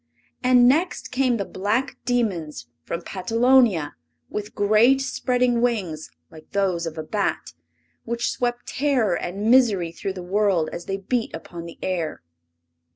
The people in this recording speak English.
And next came the Black Demons from Patalonia, with great spreading wings like those of a bat, which swept terror and misery through the world as they beat upon the air.